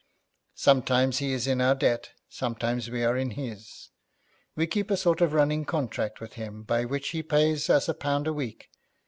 Sometimes he is in our debt; sometimes we are in his. We keep a sort of running contract with him by which he pays us a pound a week.